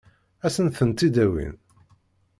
Ad sent-tent-id-awin?